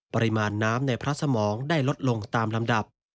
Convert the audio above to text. ปริมาณน้ำในพระสมองได้ลดลงตามลำดับ